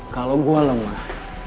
kalau gua lemah